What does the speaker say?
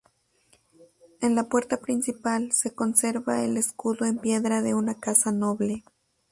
En la puerta principal se conserva el escudo en piedra de una casa noble.